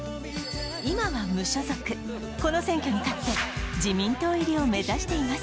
今は無所属、この選挙に勝って自民党入りを目指しています。